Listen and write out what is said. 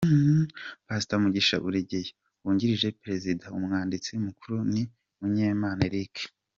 Past Mugisha Buregeya wungirije Perezida, Umwanditsi Mukuru ni Munyemana Eric.